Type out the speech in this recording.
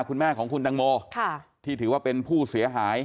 คุณแม่ของคุณตังโมที่ถือว่าเป็นผู้เสียหาย